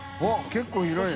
結構広い。